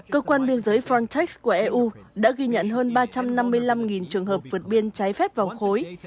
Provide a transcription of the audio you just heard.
cơ quan biên giới frontex của eu đã ghi nhận hơn ba trăm năm mươi năm trường hợp vượt biên trái phép vào khối